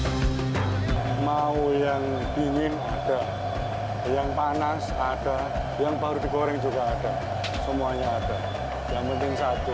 hai mau yang dingin ada yang panas ada yang baru dikoreng juga ada semuanya ada yang penting satu